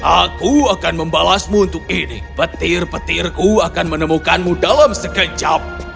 aku akan membalasmu untuk ini petir petirku akan menemukanmu dalam sekejap